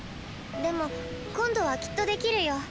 でも今度はきっとできるよ。